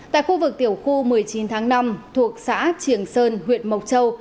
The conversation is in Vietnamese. tại khu vực tiểu khu một mươi chín tháng năm thuộc xã triển sơn huyện mộc châu